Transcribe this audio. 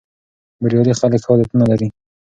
بریالي خلک ښه عادتونه لري.